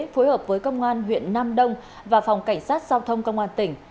phối hợp với công an huyện nam đông và phòng cảnh sát giao thông công an tỉnh